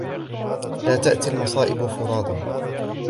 لا تأتي المصائب فُرَادَى.